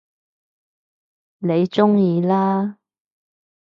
你鍾意啦